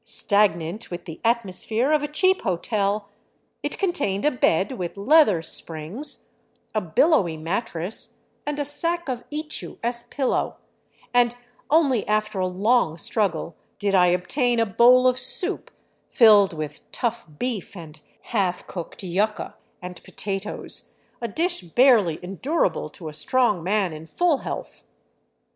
Stagnant with the atmosphere of a cheap hotel, it con tained a bed with leather springs, a billowy mattress, and a sack of ichu as pillow, and only after a long struggle did I obtain a bowl of soup filled with tough beef and half cooked yuca and potatoes, a dish barely endurable to a strong man in full health.